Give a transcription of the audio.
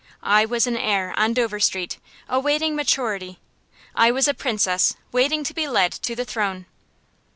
I was an heir, on Dover Street, awaiting maturity. I was a princess waiting to be led to the throne.